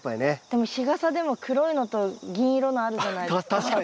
でも日傘でも黒いのと銀色のあるじゃないですか。